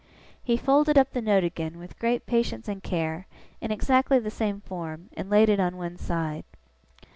He folded up the note again, with great patience and care, in exactly the same form, and laid it on one side.